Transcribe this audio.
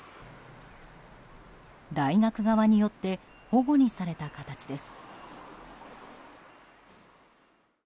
大学側によってほごにされた形です。